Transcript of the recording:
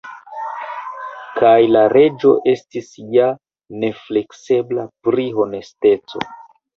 Kaj la Reĝo estis ja nefleksebla pri honesteco.